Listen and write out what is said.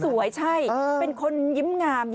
แล้วก็ขอบคุณทีมช่างแต่งหน้าของคุณส้มที่ให้เรานำเสนอข่าวนี้